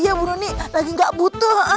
iya bu nuni lagi gak butuh